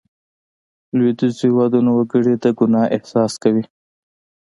لوېدیځو هېوادونو وګړي د ګناه احساس کوي.